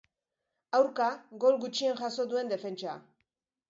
Aurka, gol gutxien jaso duen defentsa.